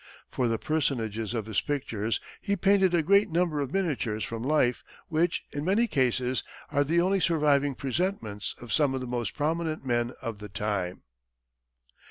For the personages of his pictures he painted a great number of miniatures from life, which, in many cases, are the only surviving presentments of some of the most prominent men of the time.